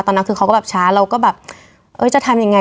ตอนนั้นคือเขาก็แบบช้าเราก็แบบเออจะทำยังไง